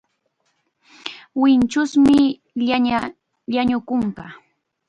Winchusmi llanu kunka.